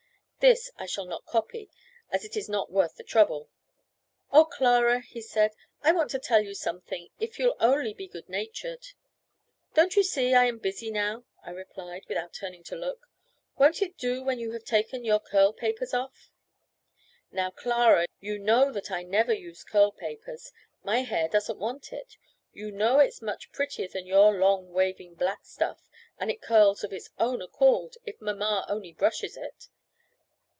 This I shall not copy, as it is not worth the trouble. "Oh, Clara," he said, "I want to tell you something, if you'll only be good natured!" "Don't you see I am busy now?" I replied, without turning to look. "Won't it do when you have taken your curl papers off?" "Now, Clara, you know that I never use curl papers. My hair doesn't want it. You know it's much prettier than your long waving black stuff, and it curls of its own accord, if mamma only brushes it.